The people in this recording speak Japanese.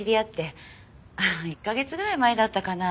あっ１カ月ぐらい前だったかな？